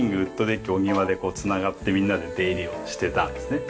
デッキお庭でつながってみんなで出入りをしてたんですね。